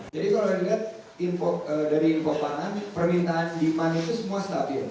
jadi kalau dilihat dari infok pangan permintaan di pangan itu semua stabil